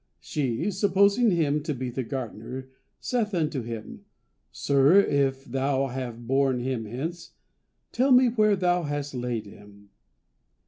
She, supposing him to be the gardener, saith unto him, Sir, if thou have borne him hence, tell me where thou hast laid him."